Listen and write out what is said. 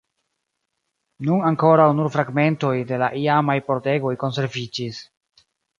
Nun ankoraŭ nur fragmentoj de la iamaj pordegoj konserviĝis.